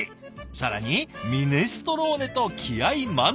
更にミネストローネと気合い満点。